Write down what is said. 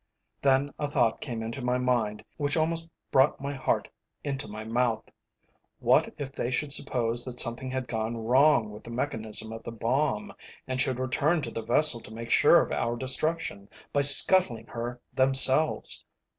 Then a thought came into my mind which almost brought my heart into my mouth. What if they should suppose that something had gone wrong with the mechanism of the bomb, and should return to the vessel to make sure of our destruction by scuttling her themselves?